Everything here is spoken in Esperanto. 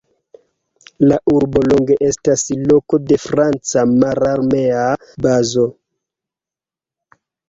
La urbo longe estas loko de franca mararmea bazo.